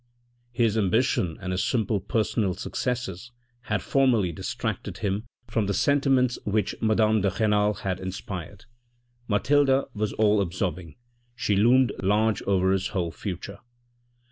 His ambition and his simple personal successes had formerly distracted him from the sentiments which madame de Renal had inspired. Mathilde was all absorbing ; she loomed large over his whole future.